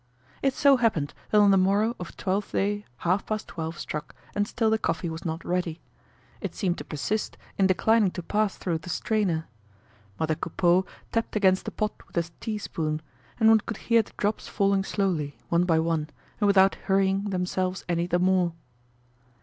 It so happened that on the morrow of Twelfth day half past twelve struck and still the coffee was not ready. It seemed to persist in declining to pass through the strainer. Mother Coupeau tapped against the pot with a tea spoon; and one could hear the drops falling slowly, one by one, and without hurrying themselves any the more.